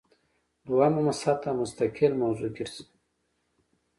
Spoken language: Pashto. دویمه سطح مستقل موضوع ګرځي.